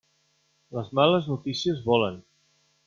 Les males notícies volen.